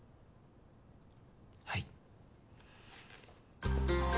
はい。